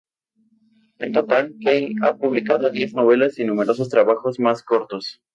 En total, Kay ha publicado diez novelas y numerosos trabajos más cortos.